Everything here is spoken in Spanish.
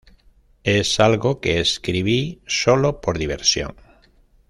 Es algo que escribí sólo por diversión.